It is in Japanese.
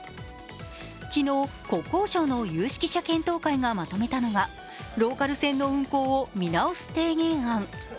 昨日、国交省の有識者検討会がまとめたのがローカル線の運行を見直す提言案。